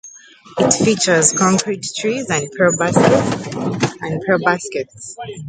It features concrete tees and pro baskets.